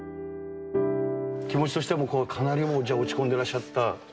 気持ちとしてもかなり落ち込んでいらっしゃった？